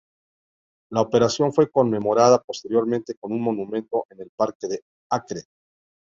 La operación fue conmemorada posteriormente con un monumento en el Parque de Acre.